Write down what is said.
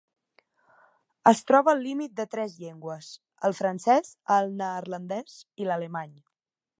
Es troba al límit de tres llengües: el francès, el neerlandès i l'alemany.